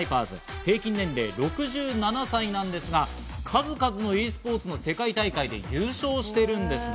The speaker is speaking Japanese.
平均年齢６７歳なんですが、数々のｅスポーツの世界大会で優勝してるんです。